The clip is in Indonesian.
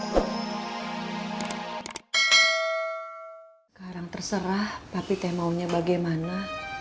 sekarang terserah tapi teh maunya bagaimana